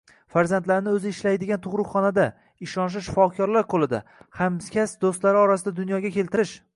– farzandlarini oʻzi ishlaydigan tugʻruqxonada, ishonchli shifokorlar qoʻlida, hamkasb doʻstlari orasida dunyoga keltirish.